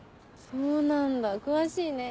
そうなんだ詳しいね。